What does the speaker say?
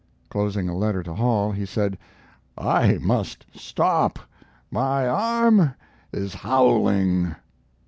Closing a letter to Hall, he said: "I must stop my arm is howling."